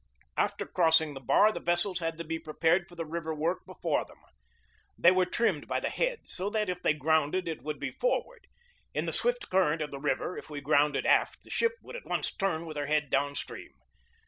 After crossing the bar the vessels had to be pre pared for the river work before them. They were trimmed by the head, so that if they grounded it would be forward. In the swift current of the river, if we grounded aft the ship would at once turn with her head downstream.